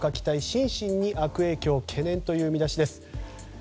心身に悪影響懸念という見出しです。